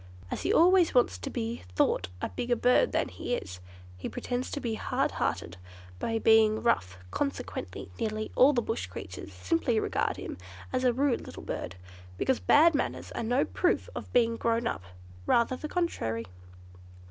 As he always wants to be thought a bigger bird than he is, he pretends to be hard hearted by being rough; consequently, nearly all the Bush creatures simply regard him as a rude little bird, because bad manners are no proof of being grown up; rather the contrary.